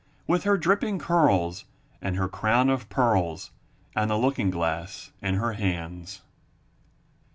With her dripping curls, And her crown of pearls. And the looking glass in her hands!